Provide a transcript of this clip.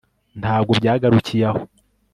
ntabwo byagarukiye aho